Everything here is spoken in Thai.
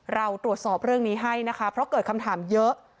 เราตรวจสอบเรื่องนี้ให้นะคะเพราะเกิดคำถามเยอะ